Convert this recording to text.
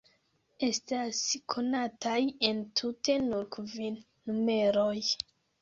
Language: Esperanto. Estas konataj entute nur kvin numeroj.